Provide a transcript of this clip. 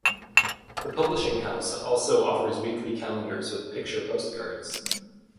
The publishing house also offers weekly calendars with picture postcards.